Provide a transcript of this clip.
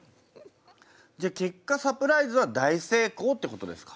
じゃあ結果サプライズは大成功ってことですか？